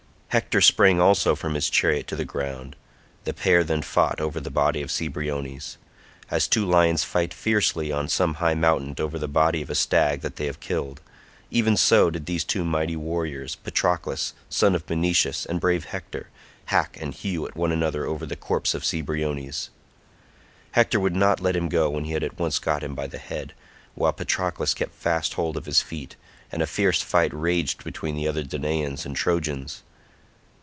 Hector sprang also from his chariot to the ground. The pair then fought over the body of Cebriones. As two lions fight fiercely on some high mountain over the body of a stag that they have killed, even so did these two mighty warriors, Patroclus son of Menoetius and brave Hector, hack and hew at one another over the corpse of Cebriones. Hector would not let him go when he had once got him by the head, while Patroclus kept fast hold of his feet, and a fierce fight raged between the other Danaans and Trojans.